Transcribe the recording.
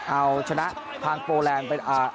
เอาชนะทางโปรแลนด์